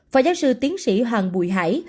phó giáo sư tiến sĩ hoàng bùi hải